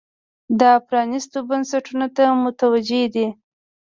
دا پرانیستو بنسټونو ته متوجې دي.